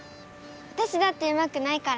わたしだってうまくないから。